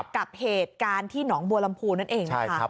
กับเหตุการณ์ที่หนองบัวลำพูนั่นเองนะคะ